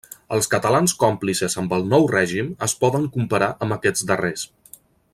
Els catalans còmplices amb el nou règim es poden comparar amb aquests darrers.